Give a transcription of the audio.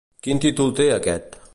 Quin títol té aquest?